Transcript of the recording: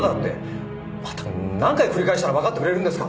まったく何回繰り返したらわかってくれるんですか！